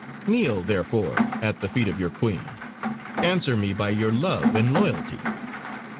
Kneel therefore at the feet of your Queen. Answer me by your love and loyalty.